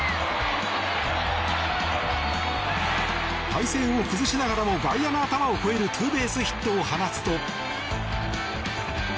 体勢を崩しながらも外野の頭を越えるツーベースヒットを放つと。